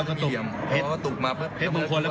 กระตุกเหี่ยวอ่ะนะครับ